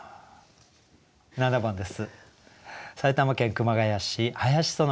７番です。